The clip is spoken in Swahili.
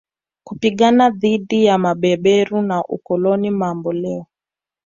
kupigana dhidi ya mabeberu na ukoloni mamboleo